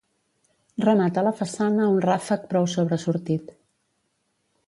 Remata la façana un ràfec prou sobresortit.